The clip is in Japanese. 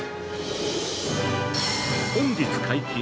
本日解禁！